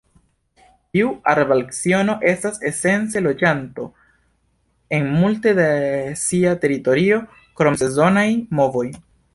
Tiu arbalciono estas esence loĝanto en multe de sia teritorio, krom sezonaj movoj.